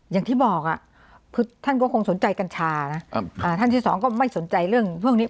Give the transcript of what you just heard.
อย่างที่บอกอ่ะคือท่านก็คงสนใจกัญชานะท่านที่สองก็ไม่สนใจเรื่องพวกนี้